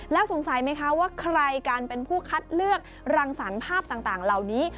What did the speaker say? แล้วสงสัยไหมคะว่าใครการเป็นผู้คัดเลือกรังสรรค์ภาพต่างเหล่านี้